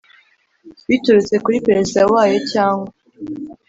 Biturutse kuri perezida wayo cyangwa